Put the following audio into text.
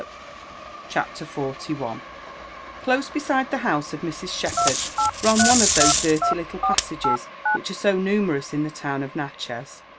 mi CHAPTER XLL Close beside the house of Mrs. Shepherd ran one of those dirty little paisages which are so namerpus io the town of Natchez.